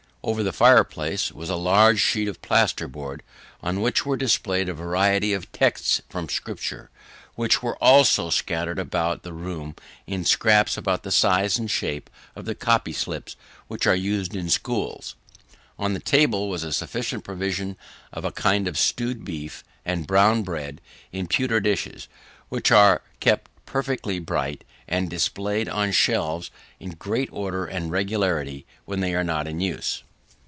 Over the fireplace, was a large sheet of pasteboard, on which were displayed a variety of texts from Scripture, which were also scattered about the room in scraps about the size and shape of the copy slips which are used in schools. On the table was a sufficient provision of a kind of stewed beef and brown bread, in pewter dishes, which are kept perfectly bright, and displayed on shelves in great order and regularity when they are not in use.